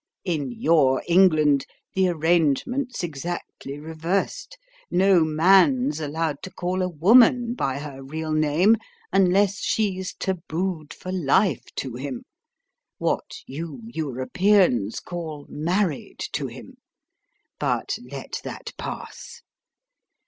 In your England, the arrangement's exactly reversed: no man's allowed to call a woman by her real name unless she's tabooed for life to him what you Europeans call married to him. But let that pass.